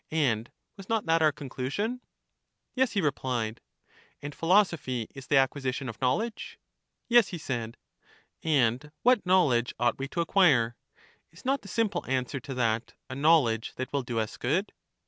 and was not that our conclusion ? Yes, he replied. And philosophy is the acquisition of knowledge? Yes, he said. And what knowledge ought we to acquire? Is not the simple answer to that, A knowledge that will do us good?